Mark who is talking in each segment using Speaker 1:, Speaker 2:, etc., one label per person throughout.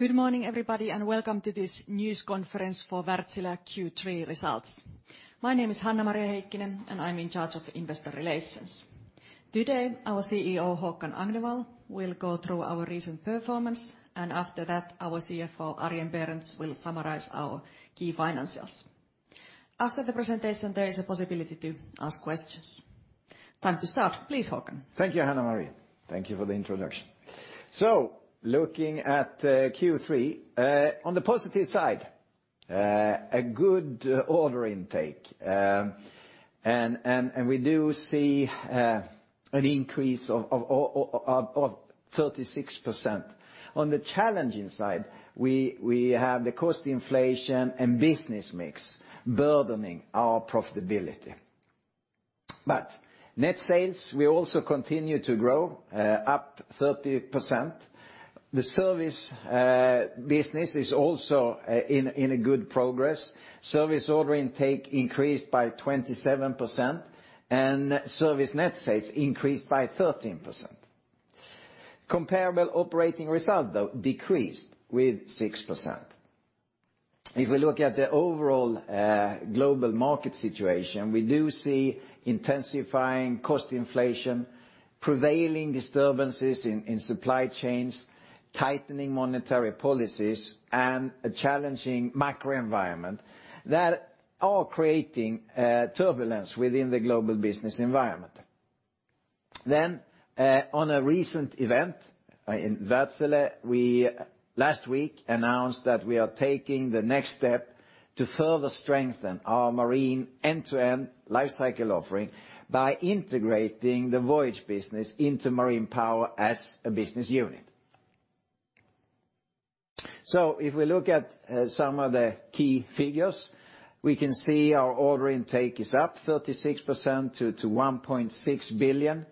Speaker 1: Good morning, everybody, and welcome to this news conference for Wärtsilä Q3 results. My name is Hanna-Maria Heikkinen, and I'm in charge of investor relations. Today, our CEO, Håkan Agnevall, will go through our recent performance, and after that, our CFO, Arjen Berends, will summarize our key financials. After the presentation, there is a possibility to ask questions. Time to start. Please, Håkan.
Speaker 2: Thank you, Hanna-Maria. Thank you for the introduction. Looking at Q3, on the positive side, a good order intake, and we do see an increase of 36%. On the challenging side, we have the cost inflation and business mix burdening our profitability. Net sales will also continue to grow up 30%. The service business is also in a good progress. Service order intake increased by 27%, and service net sales increased by 13%. Comparable operating result, though, decreased with 6%. If we look at the overall global market situation, we do see intensifying cost inflation, prevailing disturbances in supply chains, tightening monetary policies, and a challenging macro environment that are creating turbulence within the global business environment. On a recent event in Wärtsilä, we last week announced that we are taking the next step to further strengthen our marine end-to-end life cycle offering by integrating the Voyage business into Marine Power as a business unit. If we look at some of the key figures, we can see our order intake is up 36% to 1.6 billion.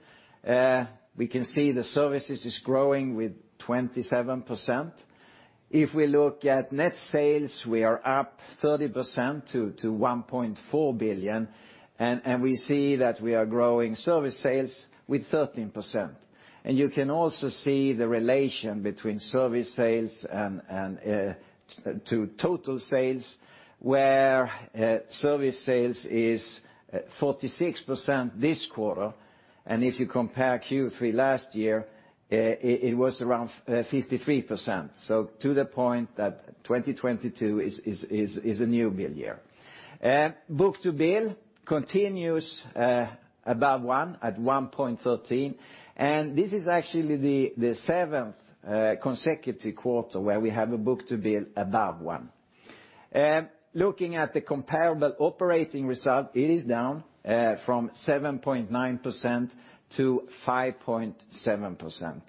Speaker 2: We can see the services is growing with 27%. If we look at net sales, we are up 30% to 1.4 billion, and we see that we are growing service sales with 13%. You can also see the relation between service sales and the total sales, where service sales is 46% this quarter. If you compare Q3 last year, it was around 53%, so to the point that 2022 is a new build year. Book-to-bill continues above one at 1.13, and this is actually the seventh consecutive quarter where we have a book-to-bill above one. Looking at the comparable operating result, it is down from 7.9% to 5.7%.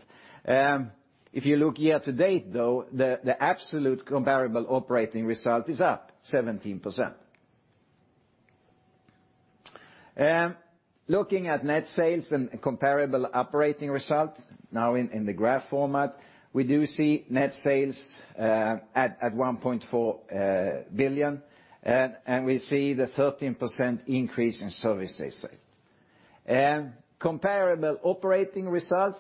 Speaker 2: If you look year to date, though, the absolute comparable operating result is up 17%. Looking at net sales and comparable operating results now in the graph format, we do see net sales at 1.4 billion, and we see the 13% increase in service sales. Comparable operating result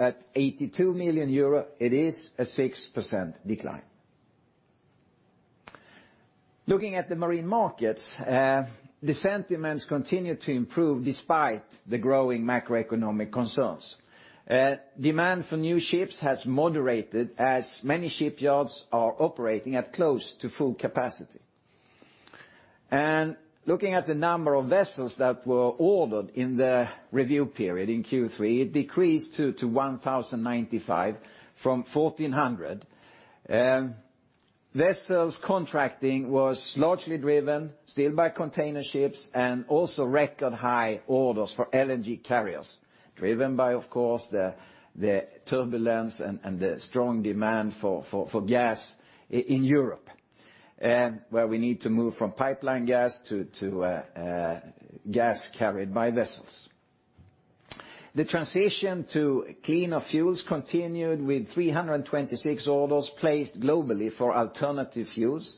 Speaker 2: at 82 million euro. It is a 6% decline. Looking at the marine markets, the sentiments continue to improve despite the growing macroeconomic concerns. Demand for new ships has moderated as many shipyards are operating at close to full capacity. Looking at the number of vessels that were ordered in the review period in Q3, it decreased to 1,095 from 1,400. Vessels contracting was largely driven still by container ships and also record high orders for LNG carriers, driven by, of course, the turbulence and the strong demand for gas in Europe, where we need to move from pipeline gas to gas carried by vessels. The transition to cleaner fuels continued with 326 orders placed globally for alternative fuels,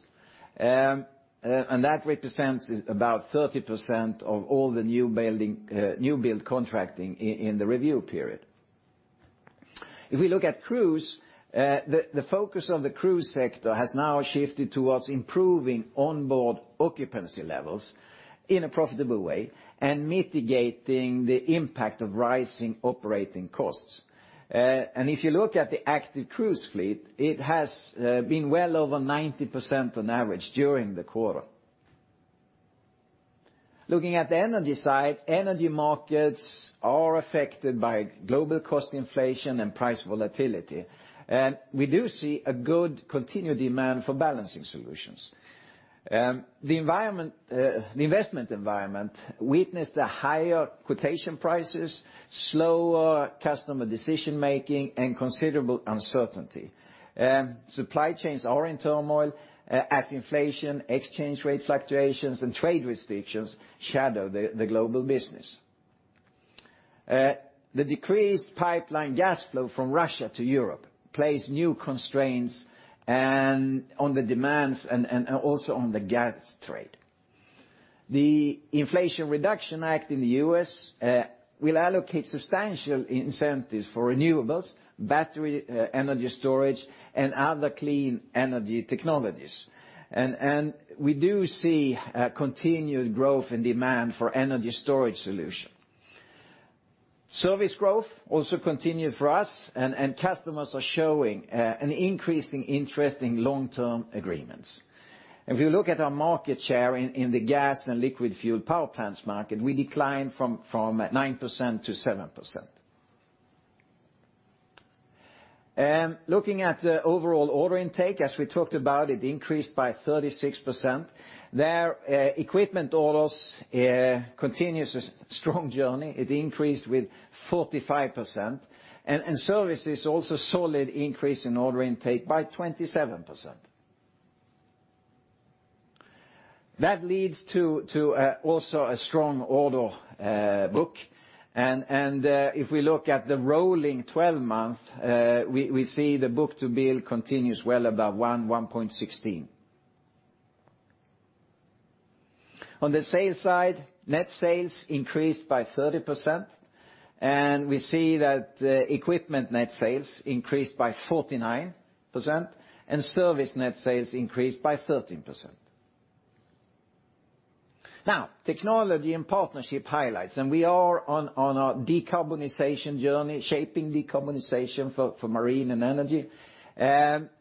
Speaker 2: and that represents about 30% of all the newbuild contracting in the review period. If we look at cruise, the focus of the cruise sector has now shifted towards improving onboard occupancy levels in a profitable way and mitigating the impact of rising operating costs. If you look at the active cruise fleet, it has been well over 90% on average during the quarter. Looking at the energy side, energy markets are affected by global cost inflation and price volatility, and we do see a good continued demand for balancing solutions. The investment environment witnessed the higher quotation prices, slower customer decision-making, and considerable uncertainty. Supply chains are in turmoil as inflation, exchange rate fluctuations, and trade restrictions shadow the global business. The decreased pipeline gas flow from Russia to Europe places new constraints on demand and also on the gas trade. The Inflation Reduction Act in the U.S. will allocate substantial incentives for renewables, battery energy storage, and other clean energy technologies. We do see a continued growth in demand for energy storage solution. Service growth also continued for us, and customers are showing an increasing interest in long-term agreements. If you look at our market share in the gas and liquid fuel power plants market, we declined from 9% to 7%. Looking at the overall order intake, as we talked about, it increased by 36%. Equipment orders continue a strong journey. It increased by 45%. Service is also solid increase in order intake by 27%. That leads to also a strong order book. If we look at the rolling 12-month, we see the book-to-bill continues well above 1.16. On the sales side, net sales increased by 30%, and we see that equipment net sales increased by 49%, and service net sales increased by 13%. Now, technology and partnership highlights, we are on a decarbonization journey, shaping decarbonization for marine and energy.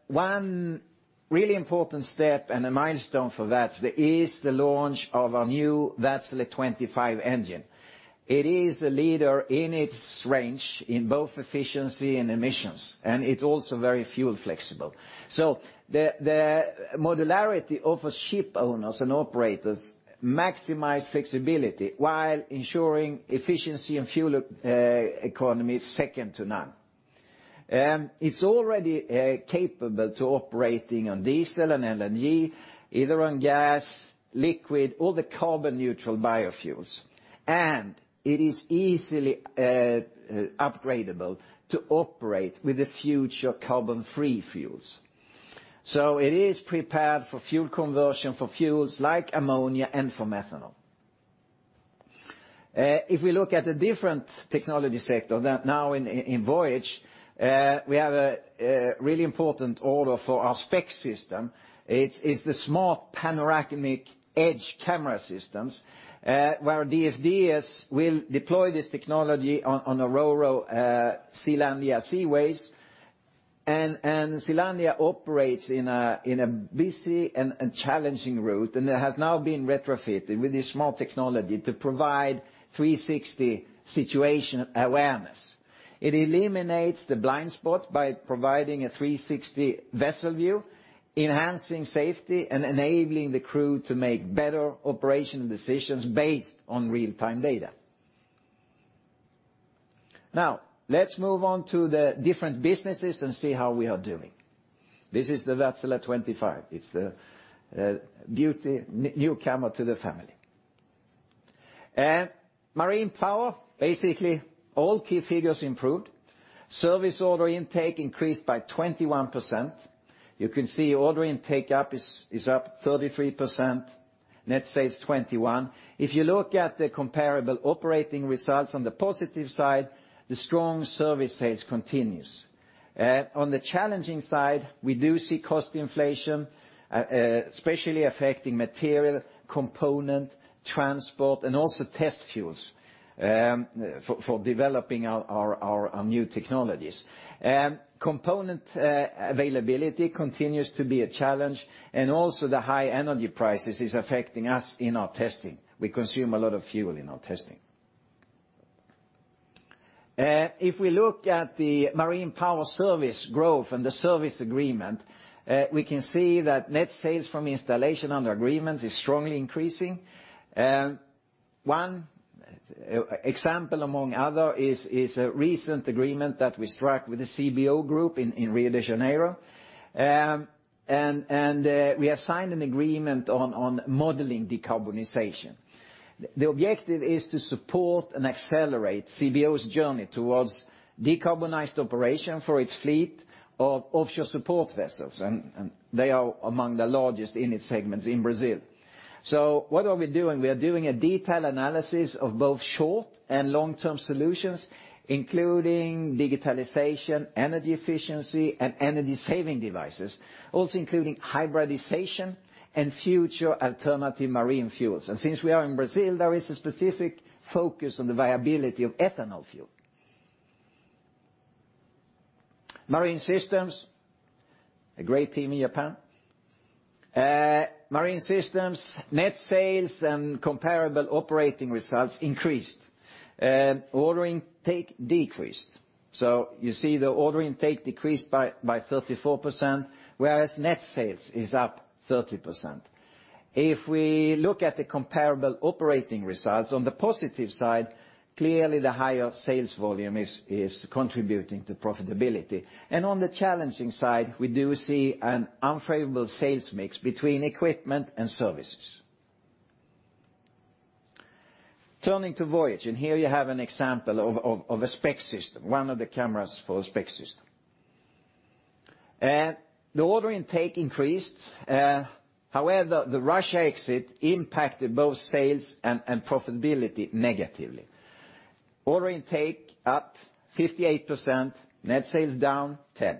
Speaker 2: One really important step and a milestone for that is the launch of our new Wärtsilä 25 engine. It is a leader in its range in both efficiency and emissions, and it's also very fuel flexible. The modularity offers ship owners and operators maximized flexibility while ensuring efficiency and fuel economy second to none. It's already capable to operating on diesel and LNG, either on gas, liquid, or the carbon neutral biofuels. It is easily upgradeable to operate with the future carbon-free fuels. It is prepared for fuel conversion for fuels like ammonia and for methanol. If we look at the different technology sector that now in Voyage, we have a really important order for our SPECS system. It is the smart panoramic edge camera systems, where DFDS will deploy this technology on a ro-ro Selandia Seaways. Selandia operates in a busy and challenging route, and it has now been retrofitted with this smart technology to provide 360 situation awareness. It eliminates the blind spots by providing a 360 vessel view, enhancing safety and enabling the crew to make better operational decisions based on real-time data. Now, let's move on to the different businesses and see how we are doing. This is the Wärtsilä 25. It's the beautiful newcomer to the family. Wärtsilä Marine Power, basically all key figures improved. Service order intake increased by 21%. You can see order intake up 33%, net sales 21%. If you look at the comparable operating results, on the positive side, the strong service sales continues. On the challenging side, we do see cost inflation, especially affecting material, component, transport, and also test fuels, for developing our new technologies. Component availability continues to be a challenge, and also the high energy prices is affecting us in our testing. We consume a lot of fuel in our testing. If we look at the Marine Power service growth and the service agreement, we can see that net sales from installation under agreements is strongly increasing. One example among others is a recent agreement that we struck with the Grupo CBO in Rio de Janeiro. We have signed an agreement on modeling decarbonization. The objective is to support and accelerate Grupo CBO's journey towards decarbonized operation for its fleet of offshore support vessels, and they are among the largest in its segments in Brazil. What are we doing? We are doing a detailed analysis of both short and long-term solutions, including digitalization, energy efficiency, and energy-saving devices, also including hybridization and future alternative marine fuels. Since we are in Brazil, there is a specific focus on the viability of ethanol fuel. Marine Systems, a great team in Japan. Marine Systems, net sales and comparable operating results increased. Order intake decreased. You see the order intake decreased by 34%, whereas net sales is up 30%. If we look at the comparable operating results, on the positive side, clearly the higher sales volume is contributing to profitability. On the challenging side, we do see an unfavorable sales mix between equipment and services. Turning to Voyage, here you have an example of a SPECS system, one of the cameras for a SPECS system. The order intake increased. However, the Russia exit impacted both sales and profitability negatively. Order intake up 58%, net sales down 10%.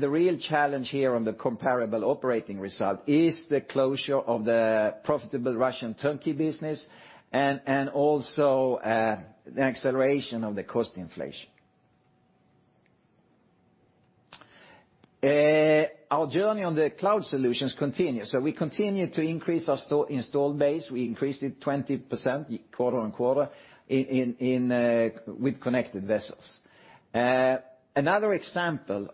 Speaker 2: The real challenge here on the comparable operating result is the closure of the profitable Russian turnkey business and also the acceleration of the cost inflation. Our journey on the cloud solutions continues. We continue to increase our installed base. We increased it 20% quarter-on-quarter in with connected vessels. Another example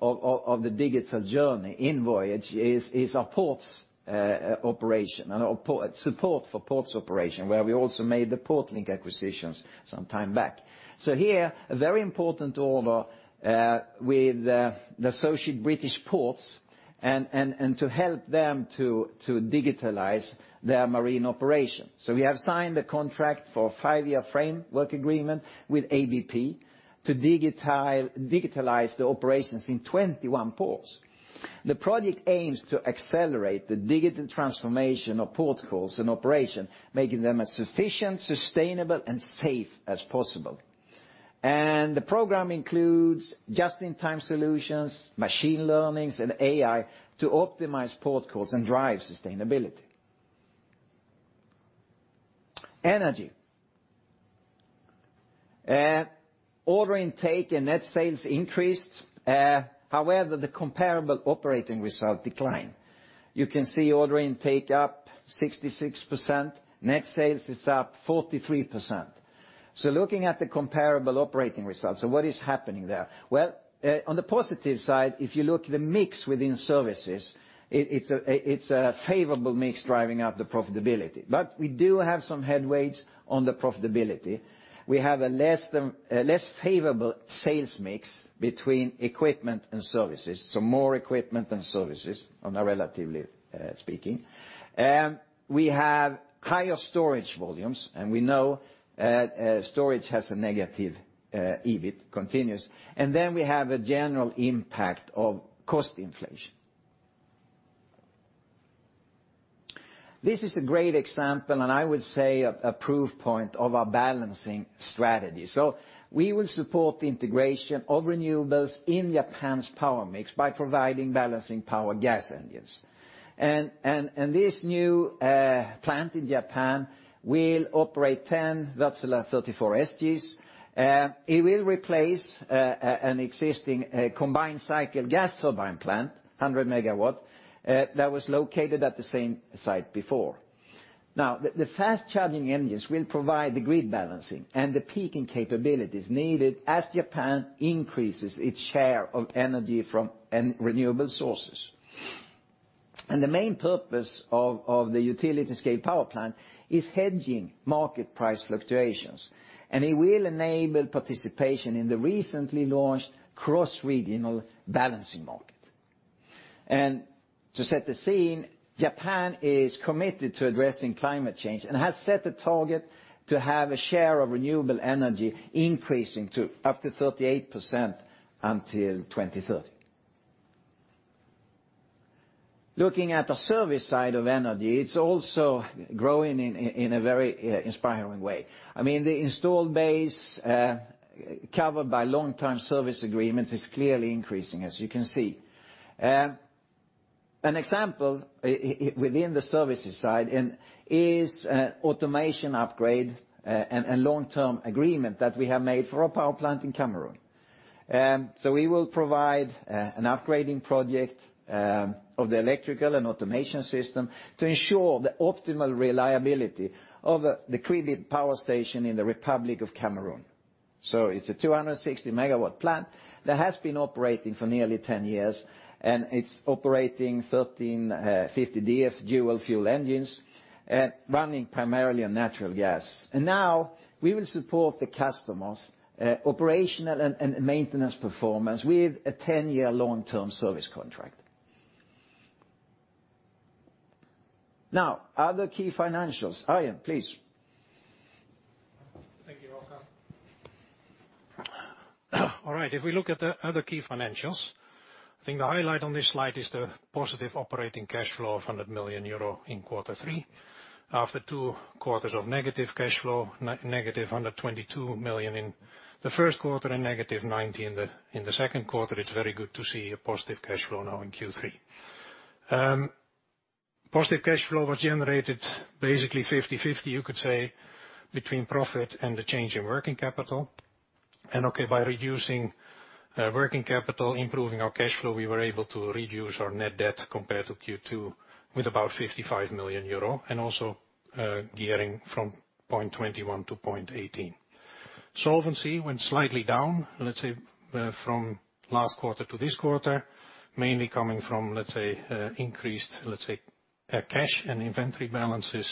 Speaker 2: of the digital journey in Voyage is our ports operation and our port support for ports operation, where we also made the PortLink acquisition some time back. Here, a very important order with the Associated British Ports and to help them to digitalize their marine operation. We have signed a contract for a five-year framework agreement with ABP to digitalize the operations in 21 ports. The project aims to accelerate the digital transformation of port calls and operation, making them as efficient, sustainable, and safe as possible. The program includes just-in-time solutions, machine learning, and AI to optimize port calls and drive sustainability. Energy. Order intake and net sales increased, however, the comparable operating result declined. You can see order intake up 66%, net sales is up 43%. Looking at the comparable operating results, what is happening there? On the positive side, if you look at the mix within services, it's a favorable mix driving up the profitability. We do have some headwinds on the profitability. We have a less favorable sales mix between equipment and services, so more equipment than services relatively speaking. We have higher storage volumes, and we know storage has a negative EBIT contribution. Then we have a general impact of cost inflation. This is a great example, and I would say a proof point of our balancing strategy. We will support the integration of renewables in Japan's power mix by providing balancing power gas engines. This new plant in Japan will operate 10 Wärtsilä 34SGs. It will replace an existing combined cycle gas turbine plant, 100 MW, that was located at the same site before. Now, the fast-charging engines will provide the grid balancing and the peaking capabilities needed as Japan increases its share of energy from renewable sources. The main purpose of the utility scale power plant is hedging market price fluctuations, and it will enable participation in the recently launched cross-regional balancing market. To set the scene, Japan is committed to addressing climate change and has set a target to have a share of renewable energy increasing to up to 38% until 2030. Looking at the service side of energy, it's also growing in a very inspiring way. I mean, the installed base covered by long-term service agreements is clearly increasing, as you can see. An example within the services side is automation upgrade and long-term agreement that we have made for our power plant in Cameroon. We will provide an upgrading project of the electrical and automation system to ensure the optimal reliability of the Kribi Power Station in the Republic of Cameroon. It's a 260 MW plant that has been operating for nearly ten years, and it's operating thirteen 50 DF dual fuel engines running primarily on natural gas. Now we will support the customers' operational and maintenance performance with a ten-year long-term service contract. Now, other key financials. Arjen, please.
Speaker 3: Thank you, Håkan Agnevall. All right, if we look at the other key financials, I think the highlight on this slide is the positive operating cash flow of 100 million euro in quarter three. After two quarters of negative cash flow, negative 122 million in the first quarter and negative 90 million in the second quarter, it's very good to see a positive cash flow now in Q3. Positive cash flow was generated basically 50/50, you could say, between profit and the change in working capital. Okay, by reducing working capital, improving our cash flow, we were able to reduce our net debt compared to Q2 with about 55 million euro, and also gearing from 0.21 to 0.18. Solvency went slightly down, let's say, from last quarter to this quarter, mainly coming from, let's say, increased, let's say, cash and inventory balances,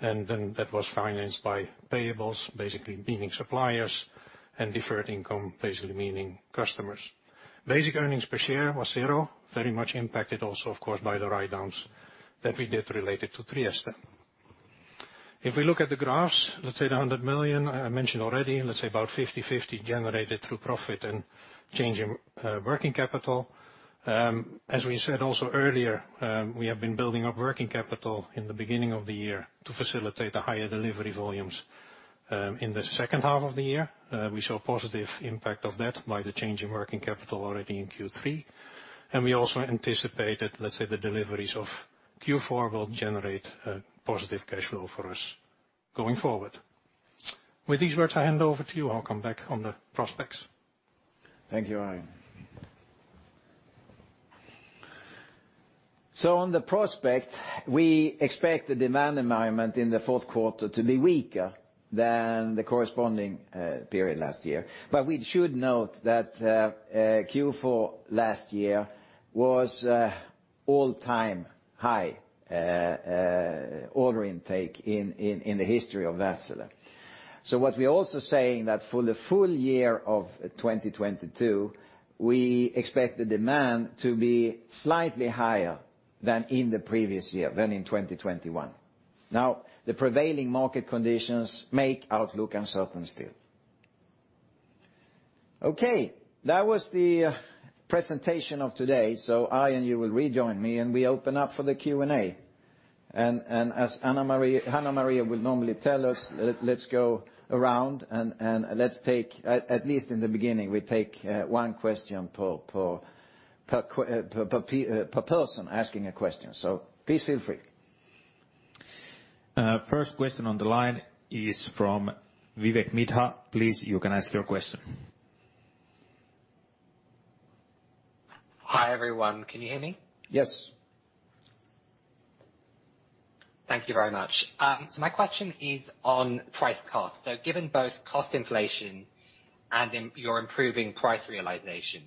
Speaker 3: and then that was financed by payables, basically meaning suppliers, and deferred income, basically meaning customers. Basic earnings per share was zero, very much impacted also, of course, by the write-downs that we did related to Trieste. If we look at the graphs, let's say the 100 million I mentioned already, let's say about 50/50 generated through profit and change in working capital. As we said also earlier, we have been building up working capital in the beginning of the year to facilitate the higher delivery volumes in the second half of the year. We saw positive impact of that by the change in working capital already in Q3. We also anticipated, let's say the deliveries of Q4 will generate a positive cash flow for us going forward. With these words, I hand over to you. I'll come back on the prospects.
Speaker 2: Thank you, Arjen. On the prospect, we expect the demand environment in the fourth quarter to be weaker than the corresponding period last year. We should note that Q4 last year was all-time high order intake in the history of Wärtsilä. What we're also saying that for the full year of 2022, we expect the demand to be slightly higher than in the previous year, 2021. Now, the prevailing market conditions make outlook uncertain still. Okay, that was the presentation of today. Arjen, you will rejoin me, and we open up for the Q&A. As Hanna-Maria Heikkinen will normally tell us, let's go around and let's take, at least in the beginning, one question per person asking a question. Please feel free.
Speaker 1: First question on the line is from Vivek Midha. Please, you can ask your question.
Speaker 4: Hi, everyone. Can you hear me?
Speaker 2: Yes.
Speaker 4: Thank you very much. My question is on price cost. Given both cost inflation and your improving price realization,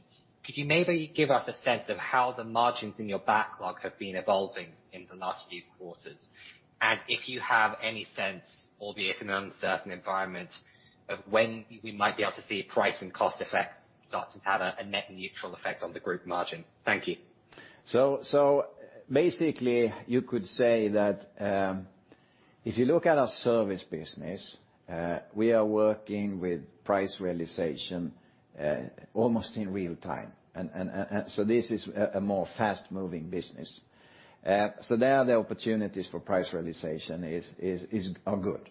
Speaker 4: could you maybe give us a sense of how the margins in your backlog have been evolving in the last few quarters? If you have any sense, albeit in an uncertain environment, of when we might be able to see price and cost effects start to have a net neutral effect on the group margin. Thank you.
Speaker 2: Basically, you could say that if you look at our service business, we are working with price realization almost in real time. This is a more fast-moving business. There the opportunities for price realization are good.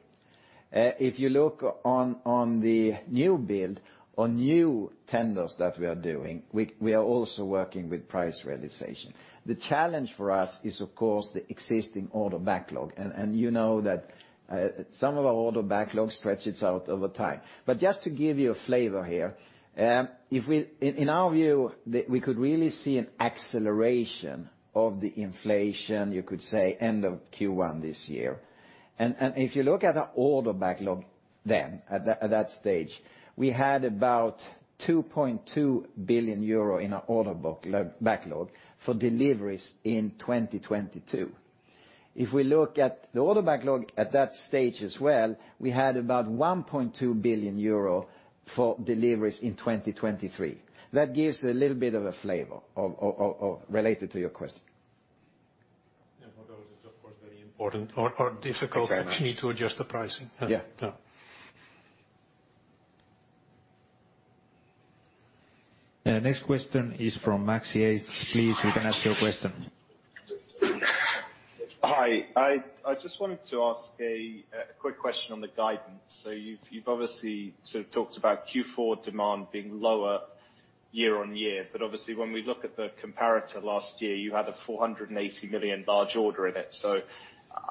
Speaker 2: If you look on the new build or new tenders that we are doing, we are also working with price realization. The challenge for us is, of course, the existing order backlog. You know that some of our order backlogs stretches out over time. Just to give you a flavor here, in our view, we could really see an acceleration of the inflation, you could say, end of Q1 this year. If you look at our order backlog then at that stage, we had about 2.2 billion euro in our order backlog for deliveries in 2022. If we look at the order backlog at that stage as well, we had about 1.2 billion euro for deliveries in 2023. That gives a little bit of a flavor of related to your question.
Speaker 3: Yeah, for those it's of course very important or difficult.
Speaker 4: Thanks very much.
Speaker 3: Actually to adjust the pricing.
Speaker 2: Yeah.
Speaker 3: Yeah.
Speaker 1: Next question is from Max Yates. Please, you can ask your question.
Speaker 5: Hi. I just wanted to ask a quick question on the guidance. You've obviously sort of talked about Q4 demand being lower year-over-year. Obviously, when we look at the comparator last year, you had a 480 million large order in it.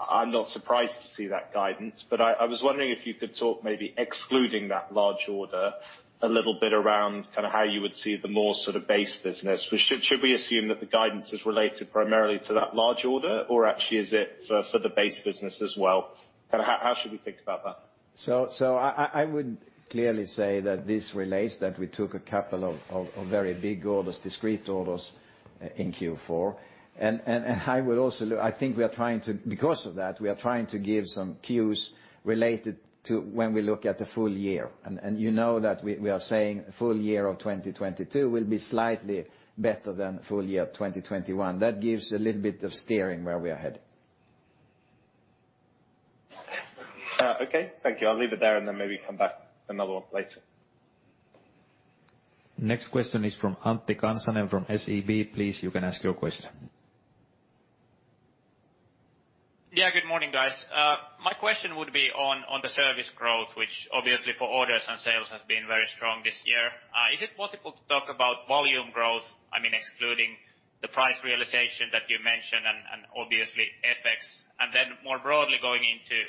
Speaker 5: I'm not surprised to see that guidance. I was wondering if you could talk maybe excluding that large order a little bit around kind of how you would see the more sort of base business. Should we assume that the guidance is related primarily to that large order, or actually is it for the base business as well? Kind of how should we think about that?
Speaker 2: I would clearly say that this relates that we took a couple of very big orders, discrete orders in Q4. Because of that, we are trying to give some cues related to when we look at the full year. You know that we are saying full year of 2022 will be slightly better than full year of 2021. That gives a little bit of steering where we are heading.
Speaker 5: Okay. Thank you. I'll leave it there and then maybe come back another one later.
Speaker 1: Next question is from Antti Kansanen from SEB. Please, you can ask your question.
Speaker 6: Yeah, good morning, guys. My question would be on the service growth, which obviously for orders and sales has been very strong this year. Is it possible to talk about volume growth, I mean, excluding the price realization that you mentioned and obviously FX. More broadly going into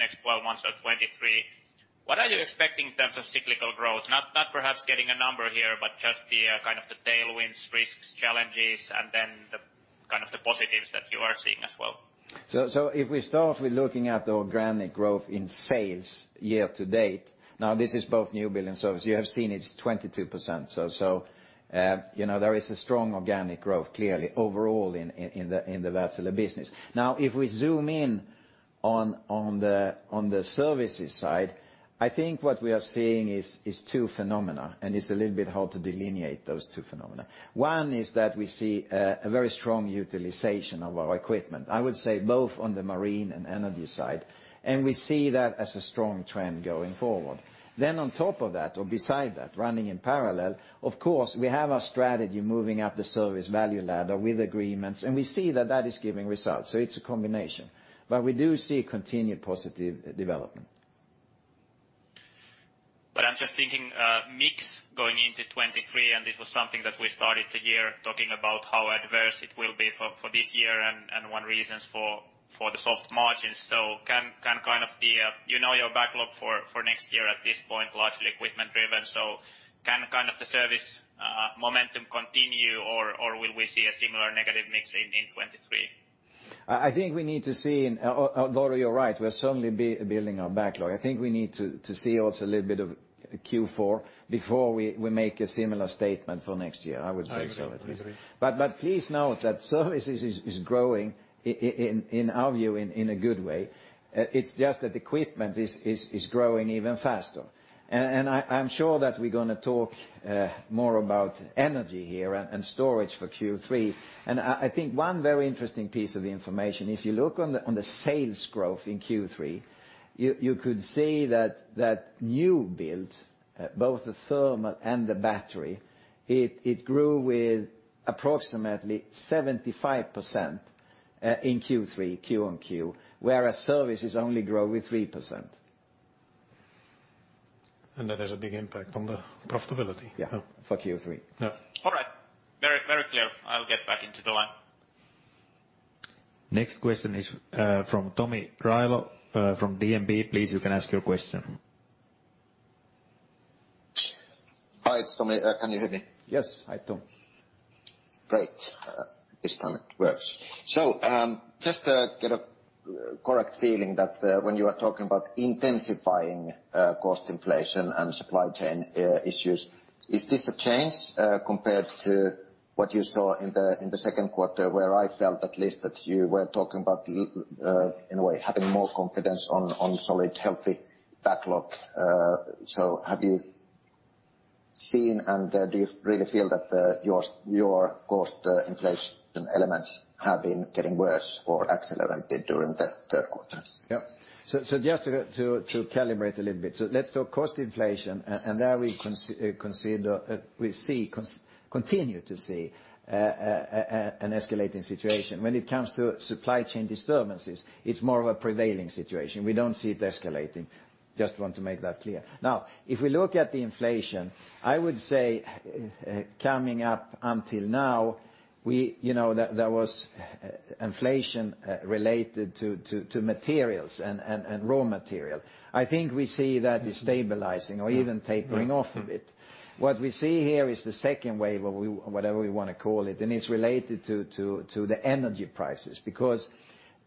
Speaker 6: next 12 months or 2023, what are you expecting in terms of cyclical growth? Not perhaps getting a number here, but just the kind of the tailwinds, risks, challenges, and then the positives that you are seeing as well.
Speaker 2: If we start with looking at the organic growth in sales year to date, now this is both new build and service. You have seen it's 22%. You know, there is a strong organic growth clearly overall in the Wärtsilä business. Now, if we zoom in on the services side, I think what we are seeing is two phenomena, and it's a little bit hard to delineate those two phenomena. One is that we see a very strong utilization of our equipment, I would say both on the marine and energy side, and we see that as a strong trend going forward. On top of that, or beside that running in parallel, of course, we have our strategy moving up the service value ladder with agreements, and we see that is giving results. It's a combination, but we do see continued positive development.
Speaker 6: I'm just thinking, mix going into 2023, and this was something that we started the year talking about how adverse it will be for this year and one of the reasons for the soft margins. Can, kind of, you know, your backlog for next year at this point largely equipment driven. Can the service momentum continue or will we see a similar negative mix in 2023?
Speaker 2: I think we need to see Lauri, you're right. We're certainly building our backlog. I think we need to see also a little bit of Q4 before we make a similar statement for next year, I would say so at least.
Speaker 6: I agree.
Speaker 2: Please note that services is growing in our view in a good way. It's just that equipment is growing even faster. I'm sure that we're gonna talk more about energy here and storage for Q3. I think one very interesting piece of information, if you look on the sales growth in Q3, you could see that new build both the thermal and the battery it grew with approximately 75% in Q3, Q on Q, whereas services only grow with 3%.
Speaker 3: That has a big impact on the profitability.
Speaker 2: Yeah.
Speaker 3: Yeah.
Speaker 2: For Q3.
Speaker 3: Yeah.
Speaker 6: All right. Very, very clear. I'll get back into the line.
Speaker 1: Next question is from Tomi Railo from DNB. Please, you can ask your question.
Speaker 7: Hi, it's Tomi. Can you hear me?
Speaker 1: Yes. Hi, Tomi.
Speaker 7: Great. This time it works. Just to get a correct feeling that, when you are talking about intensifying cost inflation and supply chain issues, is this a change compared to what you saw in the, in the second quarter? Where I felt at least that you were talking about, in a way having more confidence on solid healthy backlog. Have you seen, and do you really feel that your cost inflation elements have been getting worse or accelerated during the third quarter?
Speaker 2: Just to calibrate a little bit. Let's talk cost inflation. There we continue to see an escalating situation. When it comes to supply chain disturbances, it's more of a prevailing situation. We don't see it escalating. Just want to make that clear. Now, if we look at the inflation, I would say, coming up until now, we, you know, there was inflation related to materials and raw material. I think we see that is stabilizing or even tapering off a bit. What we see here is the second wave, whatever we wanna call it, and it's related to the energy prices because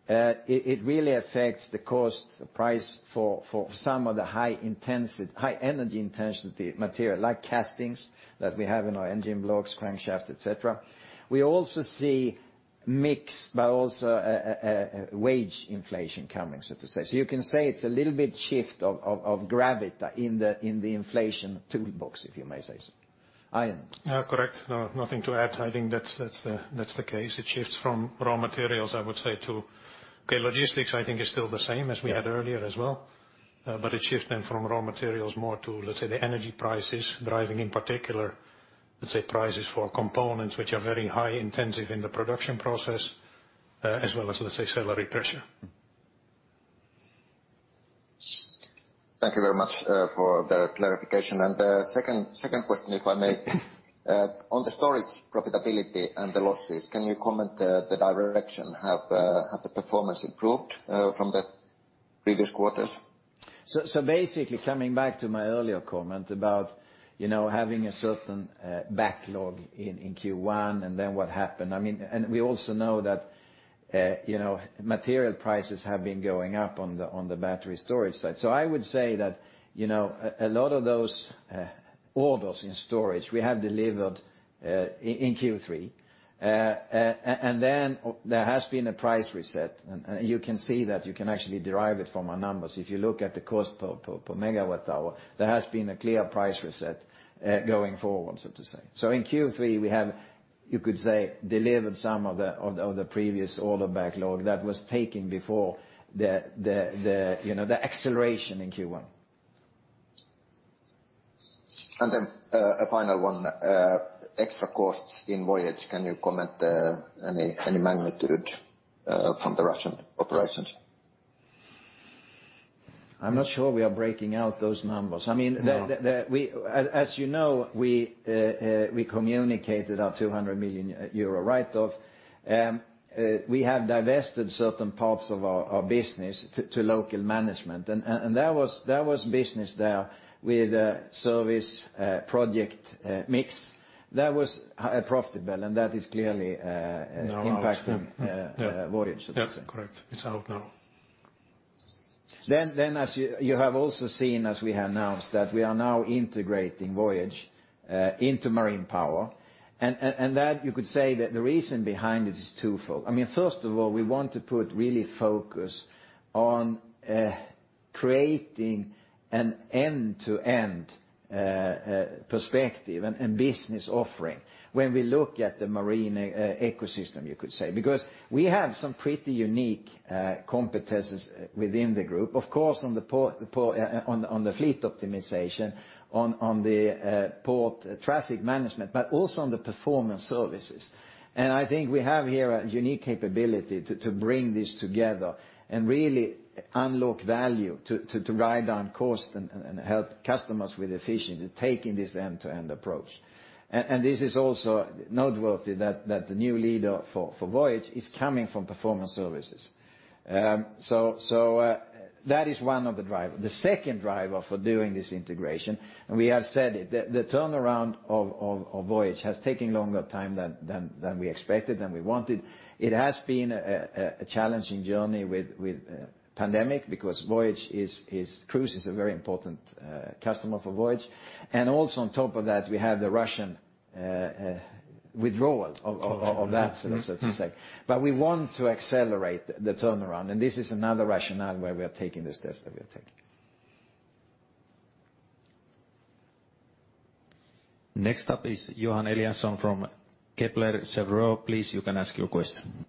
Speaker 2: it really affects the cost, the price for some of the high intensity, high energy intensity material like castings that we have in our engine blocks, crankshaft, et cetera. We also see mix, but also a wage inflation coming, so to say. You can say it's a little bit shift of gravity in the inflation toolbox, if you may say so. Arjen?
Speaker 3: Yeah. Correct. No, nothing to add. I think that's the case. It shifts from raw materials, I would say, to okay, logistics, I think, is still the same as we had earlier as well.
Speaker 2: Yeah.
Speaker 3: It shifts then from raw materials more to, let's say, the energy prices driving, in particular, let's say, prices for components which are very energy-intensive in the production process, as well as, let's say, salary pressure.
Speaker 7: Thank you very much for the clarification. Second question, if I may. On the storage profitability and the losses, can you comment the direction? Have the performance improved from the previous quarters?
Speaker 2: Basically coming back to my earlier comment about, you know, having a certain backlog in Q1 and then what happened. I mean, we also know that, you know, material prices have been going up on the battery storage side. I would say that, you know, a lot of those orders in storage we have delivered in Q3. And then there has been a price reset, and you can see that, you can actually derive it from our numbers. If you look at the cost per megawatt hour, there has been a clear price reset going forward, so to say. In Q3, we have, you could say, delivered some of the previous order backlog that was taken before the acceleration in Q1.
Speaker 7: A final one. Extra costs in Voyage. Can you comment any magnitude from the Russian operations?
Speaker 2: I'm not sure we are breaking out those numbers. I mean.
Speaker 3: No
Speaker 2: As you know, we communicated our 200 million euro write-off. We have divested certain parts of our business to local management. There was business there with a service project mix that was unprofitable, and that is clearly
Speaker 3: Now out, yeah.
Speaker 2: Impacting Voyage, so to say.
Speaker 3: Yeah. Correct. It's out now.
Speaker 2: As you have also seen, as we have announced, that we are now integrating Voyage into Marine Power. That you could say that the reason behind it is twofold. I mean, first of all, we want to put really focus on creating an end-to-end perspective and business offering when we look at the marine ecosystem, you could say. Because we have some pretty unique competencies within the group, of course, on the port, on the fleet optimization, on the port traffic management, but also on the Performance Services. I think we have here a unique capability to bring this together and really unlock value to drive down costs and help customers with efficiency, taking this end-to-end approach. This is also noteworthy that the new leader for Voyage is coming from Performance Services. That is one of the drivers. The second driver for doing this integration, and we have said it, the turnaround of Voyage has taken longer time than we expected, than we wanted. It has been a challenging journey with pandemic, because Voyage is. Cruise is a very important customer for Voyage. Also on top of that, we have the Russian withdrawal of that, so to say. We want to accelerate the turnaround, and this is another rationale why we are taking the steps that we are taking.
Speaker 1: Next up is Johan Eliason from Kepler Cheuvreux. Please, you can ask your question.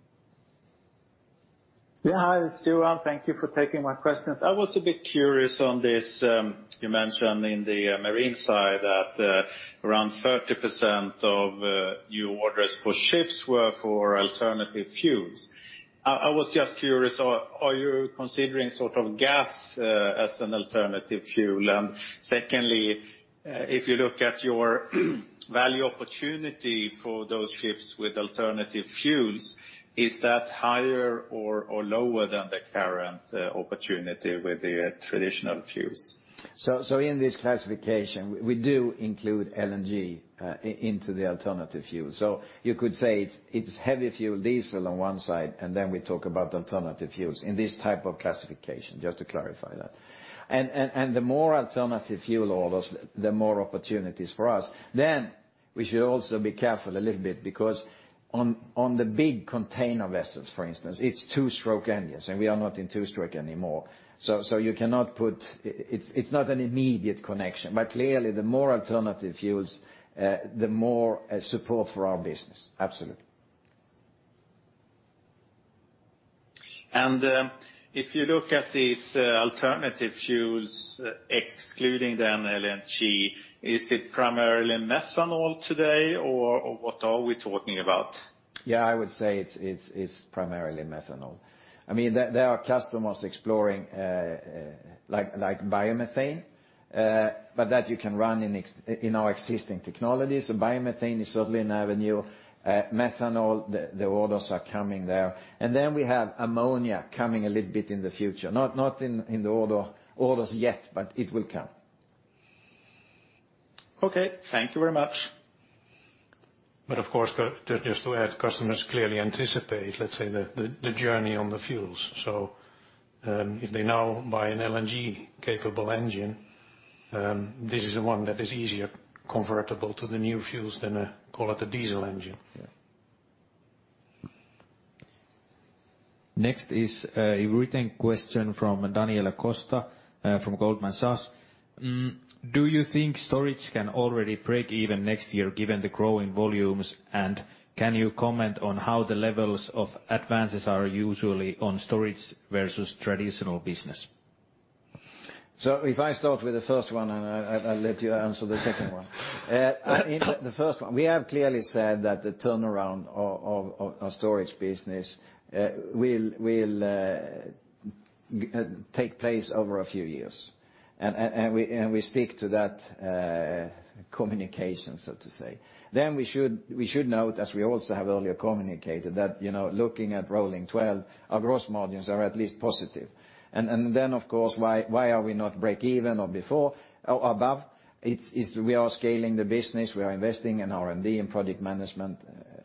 Speaker 8: Yeah, hi, it's Johan. Thank you for taking my questions. I was a bit curious on this. You mentioned in the marine side that around 30% of new orders for ships were for alternative fuels. I was just curious, are you considering sort of gas as an alternative fuel? And secondly, if you look at your value opportunity for those ships with alternative fuels, is that higher or lower than the current opportunity with the traditional fuels?
Speaker 2: In this classification, we do include LNG into the alternative fuel. You could say it's heavy fuel diesel on one side, and then we talk about alternative fuels in this type of classification, just to clarify that. The more alternative fuel orders, the more opportunities for us. We should also be careful a little bit because on the big container vessels, for instance, it's two-stroke engines, and we are not in two-stroke anymore. It's not an immediate connection. Clearly, the more alternative fuels, the more support for our business. Absolutely.
Speaker 8: If you look at these alternative fuels, excluding then LNG, is it primarily methanol today or what are we talking about?
Speaker 2: Yeah, I would say it's primarily methanol. I mean, there are customers exploring like biomethane, but that you can run in our existing technologies. So biomethane is certainly an avenue. Methanol, the orders are coming there. We have ammonia coming a little bit in the future. Not in the orders yet, but it will come.
Speaker 8: Okay. Thank you very much.
Speaker 3: Of course, just to add, customers clearly anticipate, let's say, the journey on the fuels. If they now buy an LNG-capable engine, this is the one that is easier convertible to the new fuels than a, call it a diesel engine.
Speaker 2: Yeah.
Speaker 1: Next is a written question from Daniela Costa from Goldman Sachs. Do you think storage can already break even next year given the growing volumes? Can you comment on how the levels of advances are usually on storage versus traditional business?
Speaker 2: If I start with the first one, I'll let you answer the second one. In the first one, we have clearly said that the turnaround of our storage business will take place over a few years. We stick to that communication, so to say. We should note, as we also have earlier communicated, that you know, looking at rolling 12, our gross margins are at least positive. Of course, why are we not break even or before or above? It's we are scaling the business, we are investing in R&D and project management,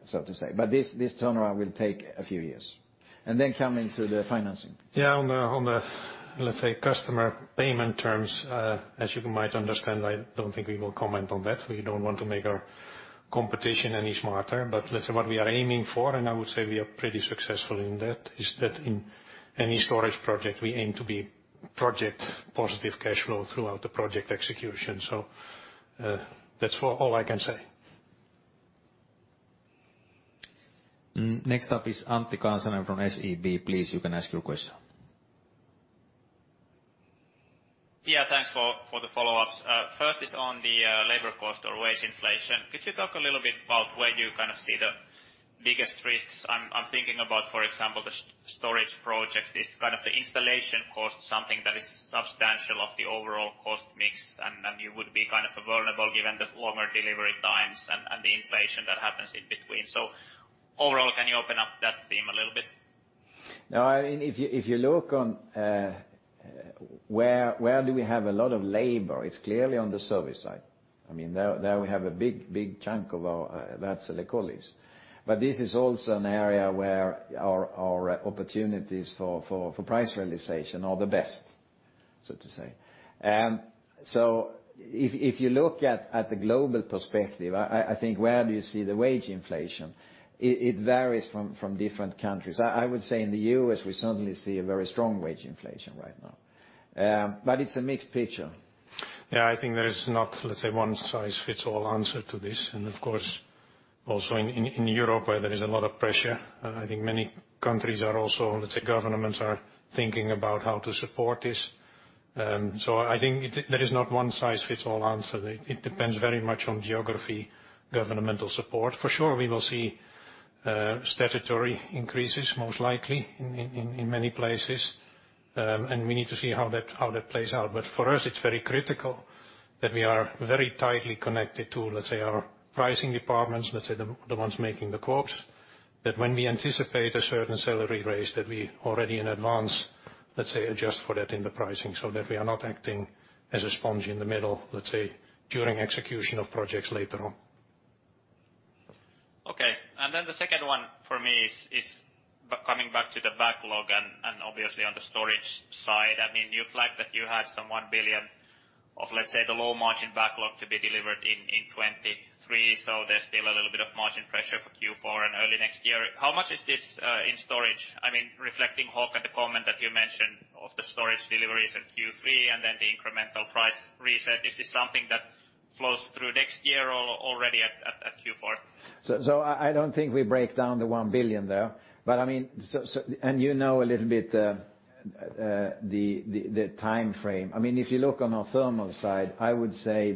Speaker 2: so to say. This turnaround will take a few years. Coming to the financing.
Speaker 3: Yeah, on the let's say, customer payment terms, as you might understand, I don't think we will comment on that. We don't want to make our competition any smarter. Let's say what we are aiming for, and I would say we are pretty successful in that, is that in any storage project, we aim to be project positive cash flow throughout the project execution. That's all I can say.
Speaker 1: Next up is Antti Kansanen from SEB. Please, you can ask your question.
Speaker 6: Yeah, thanks for the follow-ups. First is on the labor cost or wage inflation. Could you talk a little bit about where you kind of see the biggest risks? I'm thinking about, for example, the storage project. Is kind of the installation cost something that is substantial of the overall cost mix and you would be kind of vulnerable given the longer delivery times and the inflation that happens in between? Overall, can you open up that theme a little bit?
Speaker 2: Now, I mean, if you look at where do we have a lot of labor? It's clearly on the service side. I mean, there we have a big chunk of our Wärtsilä colleagues. This is also an area where our opportunities for price realization are the best, so to say. So if you look at the global perspective, I think where do you see the wage inflation? It varies from different countries. I would say in the U.S., we certainly see a very strong wage inflation right now. It's a mixed picture.
Speaker 3: Yeah, I think there is not, let's say, one size fits all answer to this. Of course, also in Europe, where there is a lot of pressure, I think many countries are also, let's say, governments are thinking about how to support this. I think there is not one size fits all answer. It depends very much on geography, governmental support. For sure, we will see statutory increases, most likely in many places, and we need to see how that plays out. For us, it's very critical that we are very tightly connected to, let's say, our pricing departments, let's say the ones making the quotes. That when we anticipate a certain salary raise, that we already in advance, let's say, adjust for that in the pricing, so that we are not acting as a sponge in the middle, let's say, during execution of projects later on.
Speaker 6: Okay. The second one for me is coming back to the backlog and obviously on the storage side, I mean, you flagged that you had some 1 billion of, let's say, the low margin backlog to be delivered in 2023, so there's still a little bit of margin pressure for Q4 and early next year. How much is this in storage? I mean, reflecting Håkan, the comment that you mentioned of the storage deliveries in Q3 and then the incremental price reset, is this something that flows through next year or already at Q4?
Speaker 2: I don't think we break down the 1 billion there. I mean, you know a little bit, the time frame. I mean, if you look on our thermal side, I would say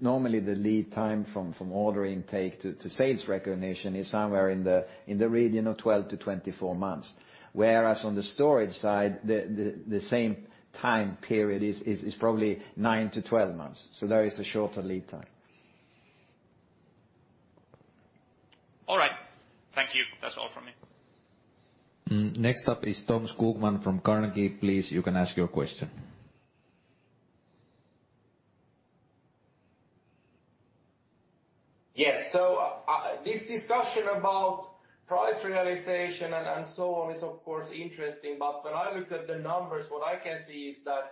Speaker 2: normally the lead time from order intake to sales recognition is somewhere in the region of 12-24 months. Whereas on the storage side, the same time period is probably 9-12 months. There is a shorter lead time.
Speaker 6: All right. Thank you. That's all from me.
Speaker 1: Next up is Tom Skogman from Carnegie. Please, you can ask your question.
Speaker 9: Yes. This discussion about price realization and so on is of course interesting, but when I look at the numbers, what I can see is that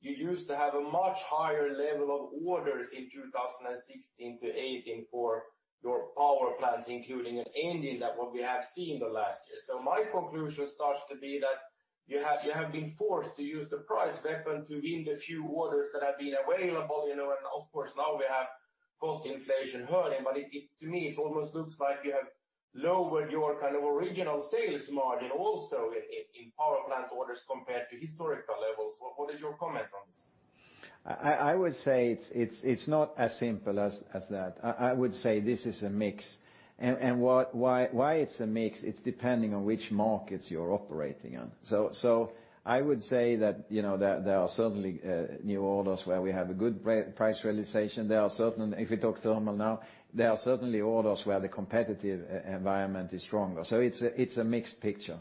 Speaker 9: you used to have a much higher level of orders in 2016-2018 for your power plants, including anything that we have seen the last year. My conclusion starts to be that you have been forced to use the price weapon to win the few orders that have been available, you know, and of course, now we have cost inflation hurting. But to me, it almost looks like you have lowered your kind of original sales margin also in power plant orders compared to historical levels. What is your comment on this?
Speaker 2: I would say it's not as simple as that. I would say this is a mix. Why it's a mix, it's depending on which markets you're operating on. I would say that, you know, there are certainly new orders where we have a good price realization. If we talk thermal now, there are certainly orders where the competitive environment is stronger. It's a mixed picture.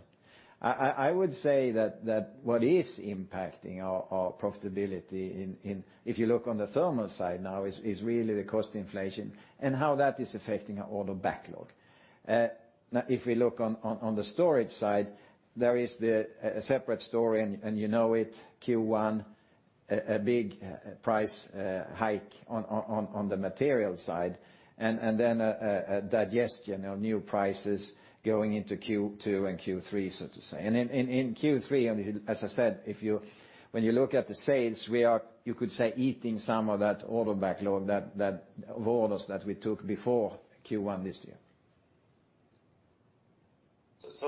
Speaker 2: I would say that what is impacting our profitability, if you look on the thermal side now, is really the cost inflation and how that is affecting our order backlog. Now if we look on the storage side, there is a separate story, and you know it, Q1, a big price hike on the material side, and then a digestion of new prices going into Q2 and Q3, so to say. In Q3, as I said, when you look at the sales, we are, you could say, eating some of that order backlog, that orders that we took before Q1 this year.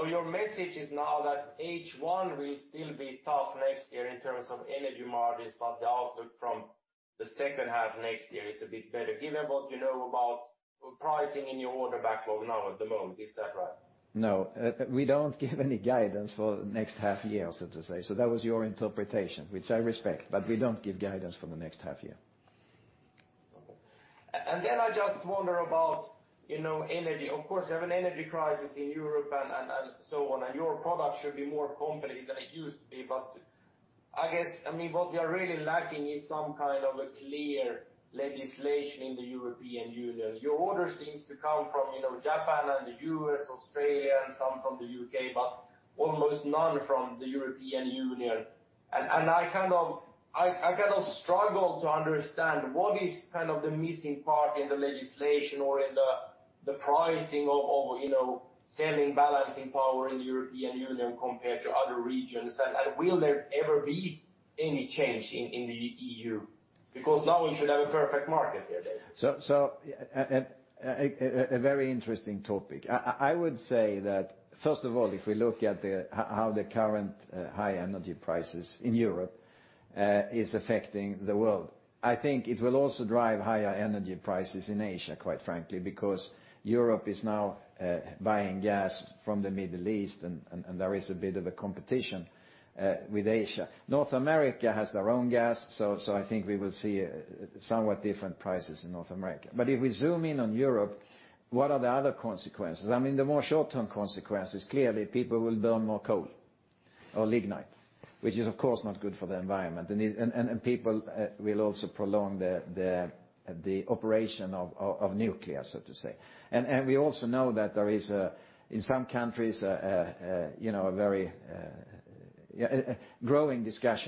Speaker 9: Your message is now that H1 will still be tough next year in terms of energy margins, but the output from the second half next year is a bit better. Given what you know about pricing in your order backlog now at the moment, is that right?
Speaker 2: No. We don't give any guidance for next half year, so to say. That was your interpretation, which I respect, but we don't give guidance for the next half year.
Speaker 9: Okay. I just wonder about, you know, energy. Of course, you have an energy crisis in Europe and so on, and your product should be more competitive than it used to be. I guess, I mean, what we are really lacking is some kind of a clear legislation in the European Union. Your order seems to come from, you know, Japan and the U.S., Australia, and some from the U.K., but almost none from the European Union. I kind of struggle to understand what is kind of the missing part in the legislation or in the pricing of you know, selling balancing power in the European Union compared to other regions. Will there ever be any change in the E.U.? Because now we should have a perfect market here basically.
Speaker 2: A very interesting topic. I would say that, first of all, if we look at how the current high energy prices in Europe is affecting the world, I think it will also drive higher energy prices in Asia, quite frankly, because Europe is now buying gas from the Middle East and there is a bit of a competition with Asia. North America has their own gas, so I think we will see somewhat different prices in North America. But if we zoom in on Europe, what are the other consequences? I mean, the more short-term consequences, clearly, people will burn more coal or lignite, which is of course not good for the environment. People will also prolong the operation of nuclear, so to say. We also know that there is a growing discussion in some countries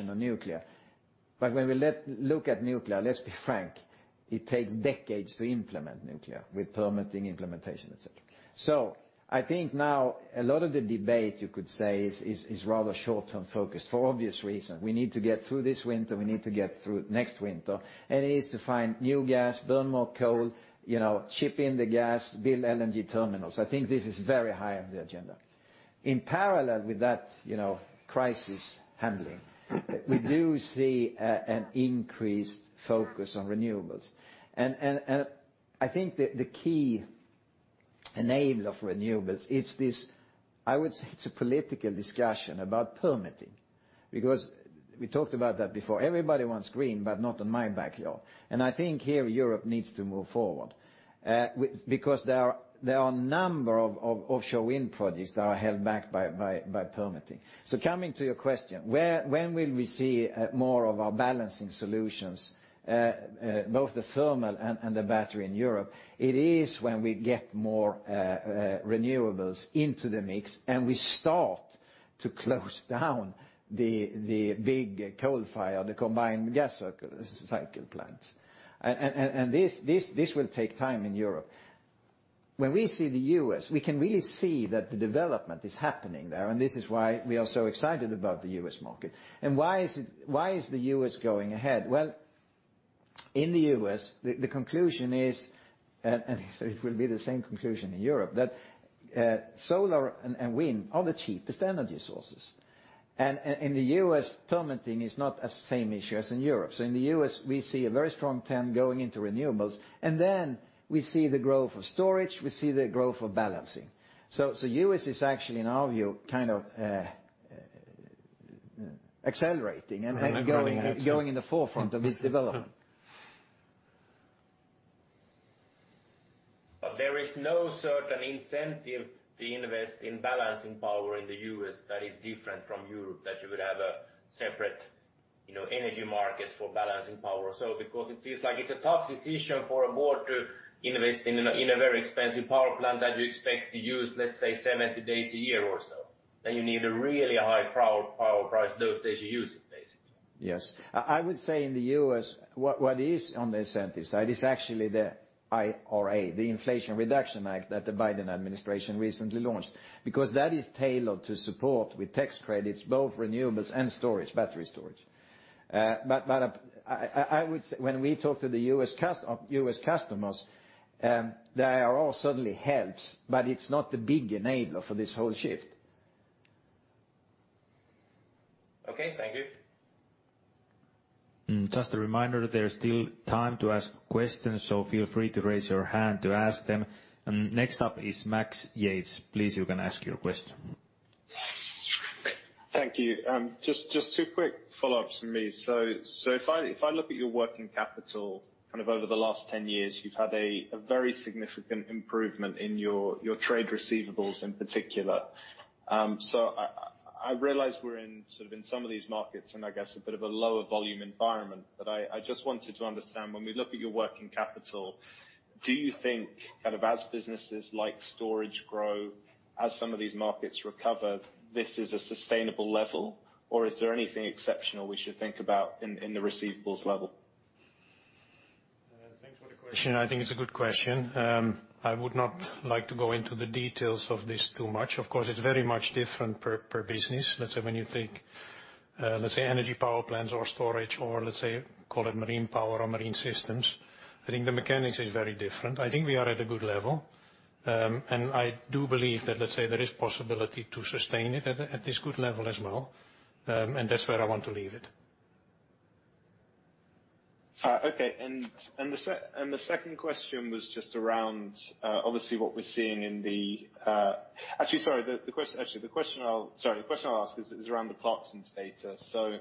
Speaker 2: on nuclear. When we look at nuclear, let's be frank, it takes decades to implement nuclear with permitting implementation, etc. I think now a lot of the debate, you could say, is rather short-term focused for obvious reasons. We need to get through this winter, we need to get through next winter, and it is to find new gas, burn more coal, you know, ship in the gas, build LNG terminals. I think this is very high on the agenda. In parallel with that, you know, crisis handling, we do see an increased focus on renewables. I think the key enabler of renewables, it's this. I would say it's a political discussion about permitting, because we talked about that before. Everybody wants green, but not in my backyard. I think here Europe needs to move forward because there are a number of offshore wind projects that are held back by permitting. Coming to your question, when will we see more of our balancing solutions both the thermal and the battery in Europe? It is when we get more renewables into the mix and we start to close down the big coal-fired combined cycle gas plant. This will take time in Europe. When we see the U.S., we can really see that the development is happening there, and this is why we are so excited about the U.S. market. Why is the U.S. going ahead? Well, in the U.S. the conclusion is, and it will be the same conclusion in Europe, that solar and wind are the cheapest energy sources. In the U.S., permitting is not the same issue as in Europe. In the U.S. we see a very strong trend going into renewables, and then we see the growth of storage, we see the growth of balancing. U.S. is actually, in our view, kind of accelerating and going-
Speaker 9: And then going into.
Speaker 2: Going in the forefront of this development.
Speaker 9: There is no certain incentive to invest in balancing power in the U.S. that is different from Europe, that you would have a separate, you know, energy market for balancing power. Because it feels like it's a tough decision for a board to invest in a very expensive power plant that you expect to use, let's say 70 days a year or so. You need a really high power price those days you use it, basically.
Speaker 2: Yes. I would say in the U.S. what is on the incentive side is actually the IRA, the Inflation Reduction Act that the Biden administration recently launched. Because that is tailored to support with tax credits, both renewables and storage, battery storage. I would say when we talk to the U.S. customers, they are all certainly helped, but it's not the big enabler for this whole shift.
Speaker 9: Okay. Thank you.
Speaker 1: Just a reminder, there's still time to ask questions, so feel free to raise your hand to ask them. Next up is Max Yates. Please, you can ask your question.
Speaker 5: Thank you. Just two quick follow-ups from me. If I look at your working capital, kind of over the last 10 years, you've had a very significant improvement in your trade receivables in particular. I realize we're sort of in some of these markets and I guess a bit of a lower volume environment. I just wanted to understand, when we look at your working capital, do you think kind of as businesses like storage grow, as some of these markets recover, this is a sustainable level? Or is there anything exceptional we should think about in the receivables level?
Speaker 9: Thanks for the question. I think it's a good question. I would not like to go into the details of this too much. Of course, it's very much different per business. Let's say when you think, let's say energy power plants or storage or let's say, call it marine power or marine systems, I think the mechanics is very different. I think we are at a good level. I do believe that, let's say there is possibility to sustain it at this good level as well. That's where I want to leave it.
Speaker 5: Okay. Actually, sorry, the question I'll ask is around the Clarksons data.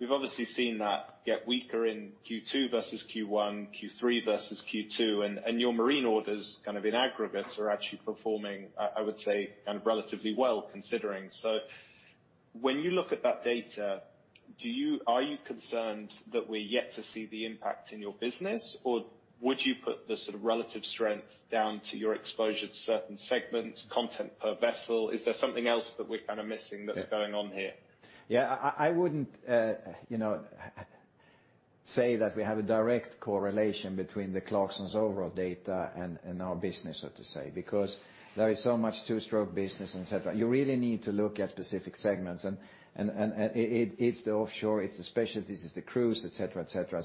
Speaker 5: We've obviously seen that get weaker in Q2 versus Q1, Q3 versus Q2. Your marine orders kind of in aggregate are actually performing, I would say kind of relatively well considering. When you look at that data, are you concerned that we're yet to see the impact in your business? Or would you put the sort of relative strength down to your exposure to certain segments, content per vessel? Is there something else that we're kind of missing that's going on here?
Speaker 2: Yeah. I wouldn't, you know, say that we have a direct correlation between the Clarksons overall data and our business, so to say. Because there is so much two-stroke business, et cetera, you really need to look at specific segments. It's the offshore, it's the specialties, it's the cruise, et cetera, et cetera.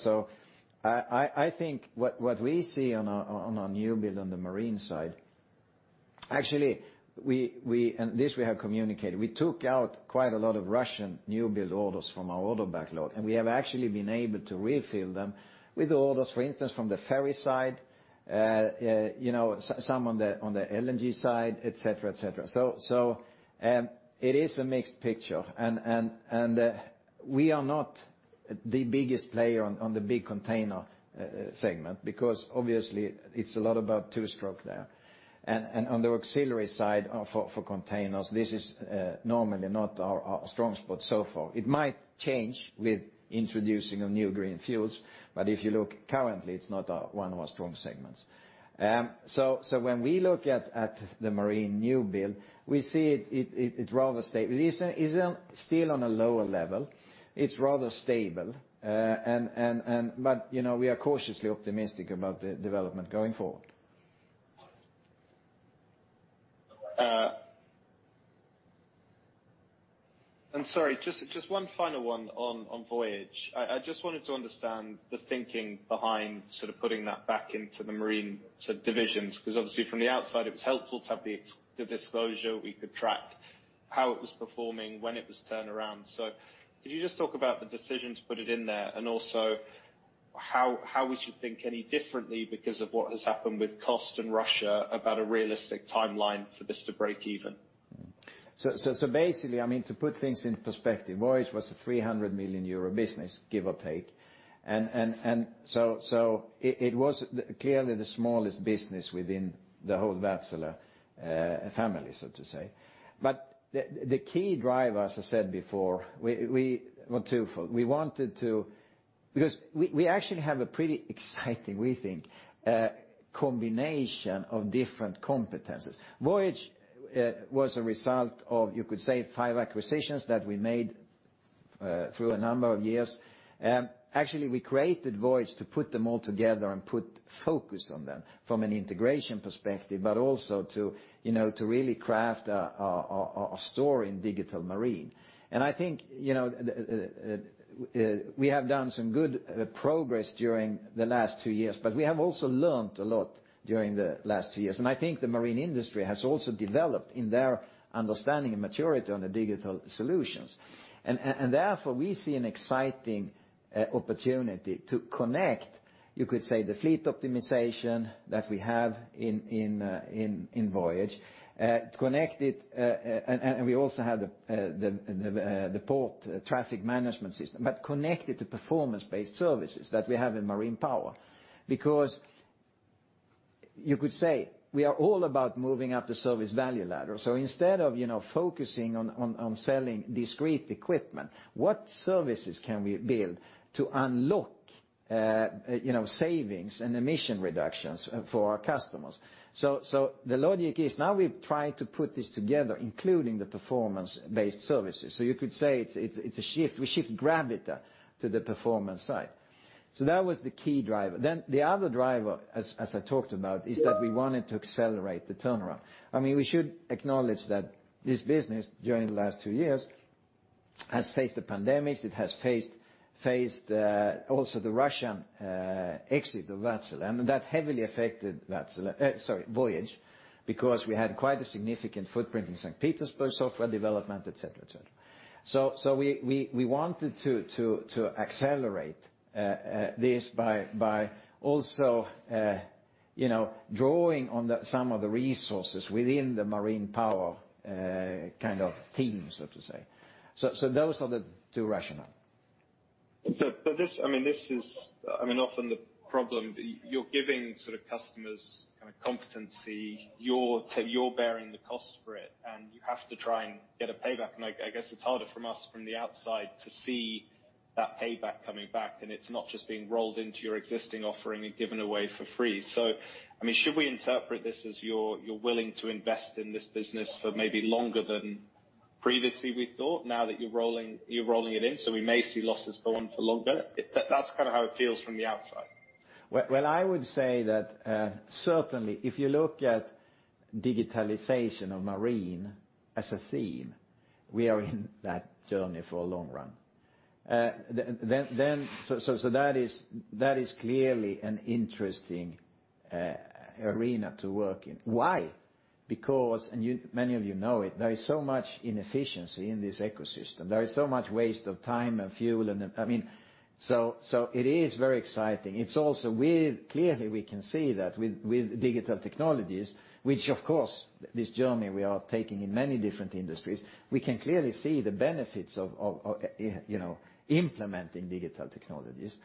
Speaker 2: I think what we see on our new build on the marine side. Actually, this we have communicated. We took out quite a lot of Russian new build orders from our order backlog, and we have actually been able to refill them with orders, for instance, from the ferry side, you know, some on the LNG side, et cetera, et cetera. It is a mixed picture. We are not the biggest player on the big container segment, because obviously it's a lot about two-stroke there. On the auxiliary side, for containers, this is normally not our strong spot so far. It might change with introducing of new green fuels. If you look currently, it's not one of our strong segments. When we look at the marine new build, we see it rather stable. It is still on a lower level. It's rather stable. You know, we are cautiously optimistic about the development going forward.
Speaker 5: I'm sorry, just one final one on Voyage. I just wanted to understand the thinking behind sort of putting that back into the marine sort of divisions, 'cause obviously from the outside, it was helpful to have the disclosure. We could track how it was performing, when it was turned around. Could you just talk about the decision to put it in there, and also how we should think any differently because of what has happened with cost and Russia about a realistic timeline for this to break even?
Speaker 2: Basically, I mean, to put things in perspective, Voyage was a 300 million euro business, give or take. It was clearly the smallest business within the whole Wärtsilä family, so to say. The key driver, as I said before, we were twofold. Because we actually have a pretty exciting, we think, combination of different competencies. Voyage was a result of, you could say, five acquisitions that we made through a number of years. Actually, we created Voyage to put them all together and put focus on them from an integration perspective, but also to, you know, to really craft a story in digital marine. I think, you know, we have done some good progress during the last two years, but we have also learned a lot during the last two years. I think the marine industry has also developed in their understanding and maturity on the digital solutions. Therefore, we see an exciting opportunity to connect, you could say, the fleet optimization that we have in Voyage to connect it, and we also have the port traffic management system, but connect it to performance-based services that we have in Marine Power. Because you could say we are all about moving up the service value ladder. Instead of focusing on selling discrete equipment, what services can we build to unlock savings and emission reductions for our customers? The logic is now we try to put this together, including the performance-based services. You could say it's a shift. We shift Gravity to the performance side. That was the key driver. The other driver, as I talked about, is that we wanted to accelerate the turnaround. I mean, we should acknowledge that this business during the last two years has faced the pandemic. It has faced also the Russian exit of Wärtsilä, and that heavily affected Wärtsilä Voyage, because we had quite a significant footprint in St. Petersburg, software development, et cetera. We wanted to accelerate this by also, you know, drawing on some of the resources within the Marine Power kind of team, so to say. Those are the two rationale.
Speaker 5: This, I mean, this is, I mean, often the problem. You're giving sort of customers kind of competency. You're bearing the cost for it, and you have to try and get a payback. I guess it's harder for us from the outside to see that payback coming back, and it's not just being rolled into your existing offering and given away for free. I mean, should we interpret this as you're willing to invest in this business for maybe longer than previously we thought now that you're rolling it in? We may see losses go on for longer. That's kind of how it feels from the outside.
Speaker 2: Well, I would say that certainly if you look at digitalization of marine as a theme, we are in that journey for a long run. Then so that is clearly an interesting arena to work in. Why? Because you, many of you know it, there is so much inefficiency in this ecosystem. There is so much waste of time and fuel and, I mean, it is very exciting. It's also clearly we can see that with digital technologies, which of course this journey we are taking in many different industries, we can clearly see the benefits of you know implementing digital technologies.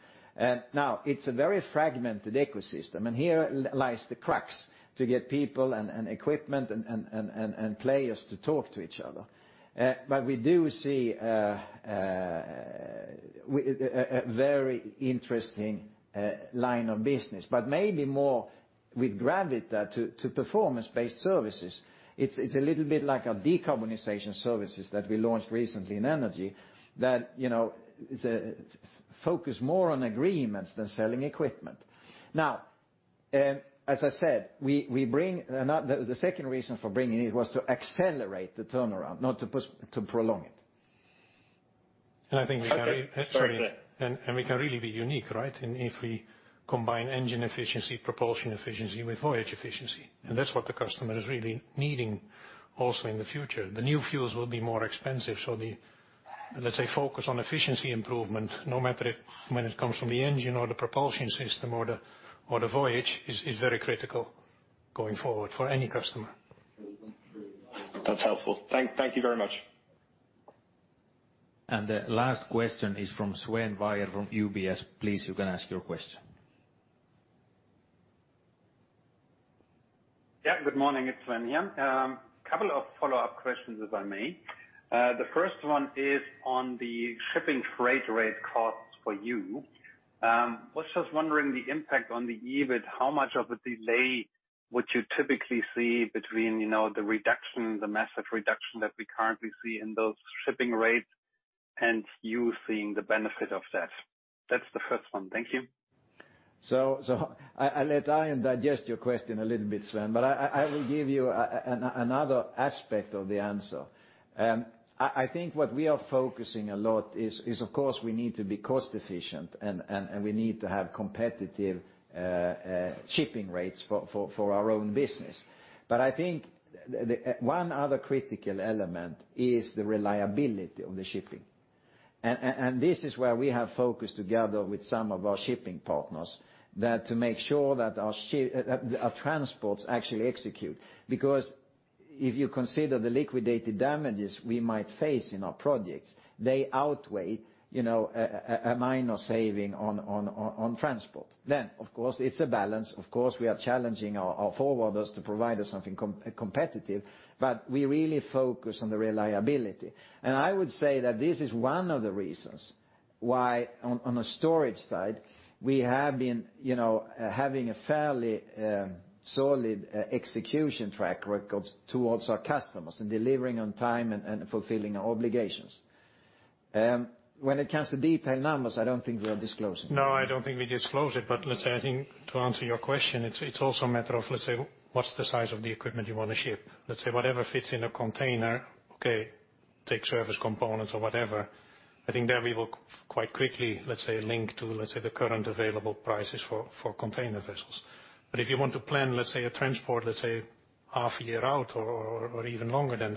Speaker 2: Now it's a very fragmented ecosystem, and here lies the crux to get people and equipment and players to talk to each other. We do see a very interesting line of business, but maybe more with Gravity to performance-based services. It's a little bit like our decarbonization services that we launched recently in energy that you know is focus more on agreements than selling equipment. Now, as I said, the second reason for bringing it was to accelerate the turnaround, not to prolong it.
Speaker 5: Okay. Sorry.
Speaker 3: I think we can really be unique, right? If we combine engine efficiency, propulsion efficiency with voyage efficiency. That's what the customer is really needing also in the future. The new fuels will be more expensive, so the, let's say, focus on efficiency improvement, no matter it, when it comes from the engine or the propulsion system or the voyage is very critical.
Speaker 2: Going forward for any customer.
Speaker 5: That's helpful. Thank you very much.
Speaker 2: The last question is from Sven Weier from UBS. Please, you can ask your question.
Speaker 10: Yeah. Good morning, it's Sven here. Couple of follow-up questions if I may. The first one is on the shipping freight rate costs for you. Was just wondering the impact on the EBIT, how much of a delay would you typically see between, you know, the reduction, the massive reduction that we currently see in those shipping rates, and you seeing the benefit of that? That's the first one. Thank you.
Speaker 2: I let Arjen digest your question a little bit, Sven, but I will give you another aspect of the answer. I think what we are focusing a lot is of course we need to be cost efficient and we need to have competitive shipping rates for our own business. I think one other critical element is the reliability of the shipping. This is where we have focused together with some of our shipping partners, that to make sure that our transports actually execute. Because if you consider the liquidated damages we might face in our projects, they outweigh, you know, a minor saving on transport. Of course, it's a balance. Of course, we are challenging our forwarders to provide us something competitive, but we really focus on the reliability. I would say that this is one of the reasons why on a storage side, we have been, you know, having a fairly solid execution track records towards our customers in delivering on time and fulfilling our obligations. When it comes to detailed numbers, I don't think we are disclosing.
Speaker 3: No, I don't think we disclose it, but let's say I think to answer your question, it's also a matter of, let's say, what's the size of the equipment you wanna ship? Let's say, whatever fits in a container, okay, take service components or whatever. I think there we will quite quickly, let's say, link to, let's say, the current available prices for container vessels. But if you want to plan, let's say, a transport, let's say half a year out or even longer than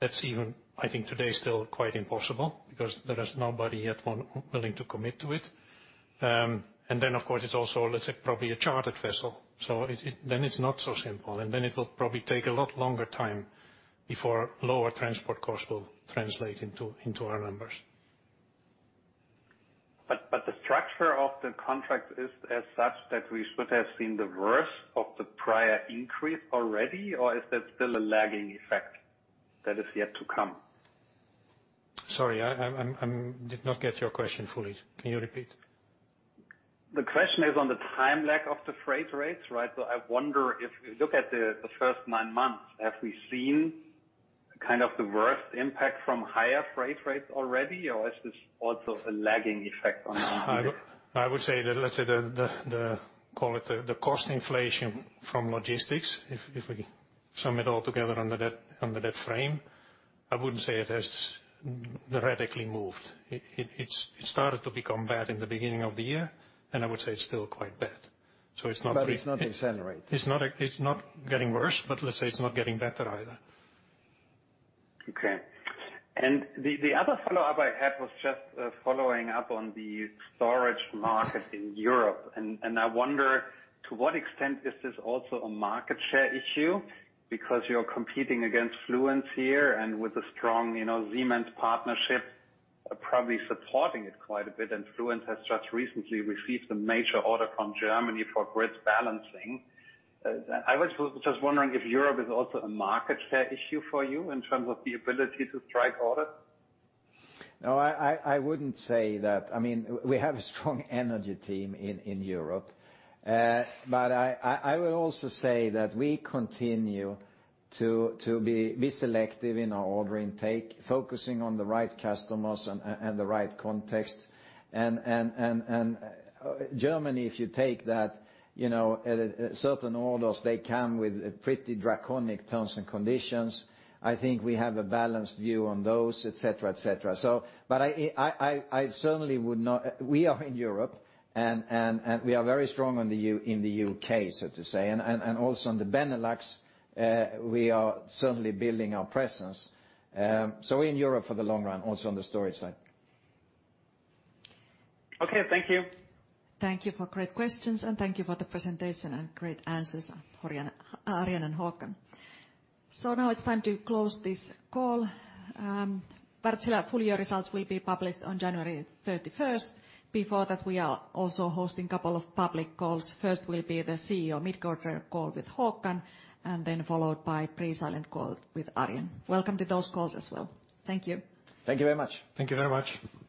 Speaker 3: that's even, I think, today still quite impossible because there is nobody yet willing to commit to it. Then of course, it's also, let's say, probably a chartered vessel, so then it's not so simple. Then it will probably take a lot longer time before lower transport costs will translate into our numbers.
Speaker 10: The structure of the contract is as such that we should have seen the worst of the prior increase already, or is there still a lagging effect that is yet to come?
Speaker 3: Sorry, I did not get your question fully. Can you repeat?
Speaker 10: The question is on the time lag of the freight rates, right? I wonder if we look at the first nine months, have we seen kind of the worst impact from higher freight rates already, or is this also a lagging effect on the.
Speaker 3: I would say that, let's say call it the cost inflation from logistics, if we sum it all together under that frame, I wouldn't say it has radically moved. It's started to become bad in the beginning of the year, and I would say it's still quite bad. It's not-
Speaker 2: It's not accelerating.
Speaker 3: It's not getting worse, but let's say it's not getting better either.
Speaker 10: Okay. The other follow-up I had was just following up on the storage market in Europe. I wonder to what extent is this also a market share issue? Because you're competing against Fluence here and with a strong, you know, Siemens partnership probably supporting it quite a bit, and Fluence has just recently received a major order from Germany for grid balancing. I was just wondering if Europe is also a market share issue for you in terms of the ability to strike orders.
Speaker 2: No, I wouldn't say that. I mean, we have a strong energy team in Europe. But I will also say that we continue to be selective in our order intake, focusing on the right customers and the right context. And Germany, if you take that, you know, certain orders, they come with pretty draconian terms and conditions. I think we have a balanced view on those, et cetera, et cetera. But I certainly would not. We are in Europe and we are very strong in the U.K., so to say, and also in the Benelux, we are certainly building our presence. So we're in Europe for the long run, also on the storage side.
Speaker 10: Okay. Thank you.
Speaker 1: Thank you for great questions, and thank you for the presentation and great answers, Arjen and Håkan. Now it's time to close this call. Wärtsilä full year results will be published on January 31st. Before that, we are also hosting a couple of public calls. First will be the CEO mid-quarter call with Håkan, and then followed by pre-silent call with Arjen. Welcome to those calls as well. Thank you.
Speaker 2: Thank you very much.
Speaker 3: Thank you very much.